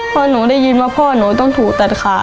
เพราะหนูได้ยินว่าพ่อหนูต้องถูกตัดขา